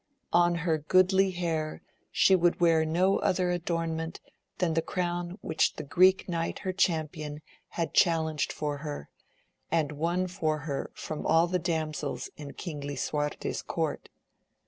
On her goodly hair she would wear no other adornment than the crown which the Greek Knight her champion had challenged for her, and won for her from all the damsels in King Lisuarte's court.